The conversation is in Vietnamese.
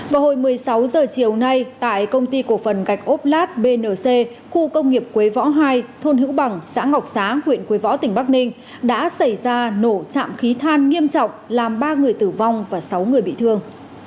vào hồi một mươi sáu h chiều nay tại công ty cổ phần gạch ốp lát bnc khu công nghiệp quế võ hai thôn hữu bằng xã ngọc xá huyện quế võ tỉnh bắc ninh đã xảy ra nổ chạm khí than nghiêm trọng làm ba người tử vong và sáu người bị thương